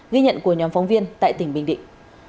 ghi nhận của nhóm phóng viên tại tỉnh bình định